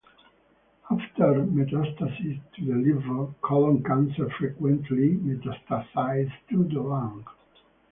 After metastasis to the liver, colon cancer frequently metastasizes to the lung.